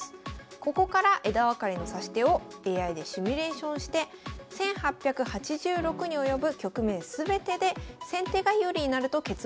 ここから枝分かれの指し手をＡＩでシミュレーションして１８８６に及ぶ局面全てで先手が有利になると結論づけられたというんです。